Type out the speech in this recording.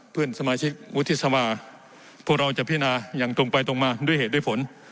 เพื่อนสมาชิกวุฒิสภาพวกเราจะพินาอย่างตรงไปตรงมาด้วยเหตุด้วยผล